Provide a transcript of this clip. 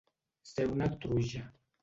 Ser una truja.